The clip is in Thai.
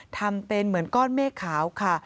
ทำเป็นเหมือนก้อนเมฆขาวค่ะ